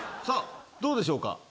さぁどうでしょうか？